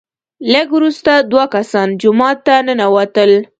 لږ وروسته دوه کسان جومات ته ننوتل،